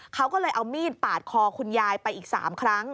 เขาก็เลยเอามีดปาดคอคุณยายไปอีก๓ครั้ง